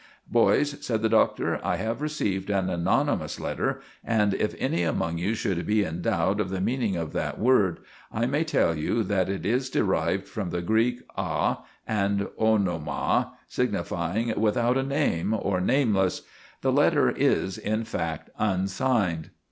"Boys," began the Doctor, "I have received an anonymous letter, and if any among you should be in doubt of the meaning of that word, I may tell you that it is derived from the Greek a and onoma, signifying 'without a name,' or 'nameless.' The letter is, in fact, unsigned.